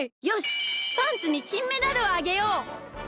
よしパンツにきんメダルをあげよう！